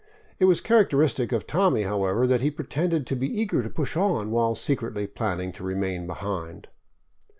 It was characteristic of Tommy, however, that he pretended to be eager to push on, while secretly planning to remain behind.